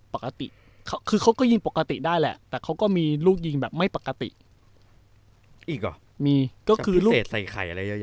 ปกติได้แหละแต่เขาก็มีลูกยิงแบบไม่ปกติอีกอ๋อมีก็คือลูกพิเศษใส่ไข่อะไรเยอะเยอะ